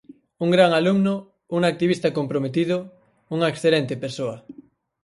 Un gran alumno, un activista comprometido, unha excelente persoa.